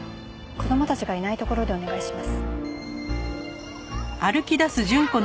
子供たちがいない所でお願いします。